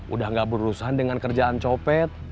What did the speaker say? udah gak berurusan dengan kerjaan copet